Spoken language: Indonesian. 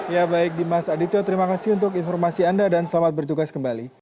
ya baik dimas adityo terima kasih untuk informasi anda dan selamat bertugas kembali